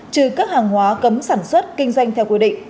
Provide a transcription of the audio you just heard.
trừ các hàng hóa cấm sản xuất kinh doanh theo quy định